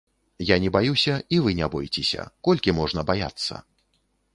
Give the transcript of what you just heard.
Я не баюся, і вы не бойцеся, колькі можна баяцца?